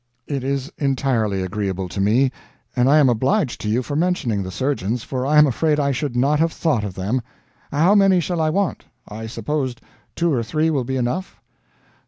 "It is entirely agreeable to me, and I am obliged to you for mentioning the surgeons, for I am afraid I should not have thought of them. How many shall I want? I supposed two or three will be enough?"